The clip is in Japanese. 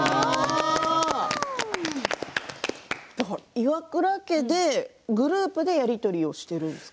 岩倉家でグループでやり取りをしているんですか？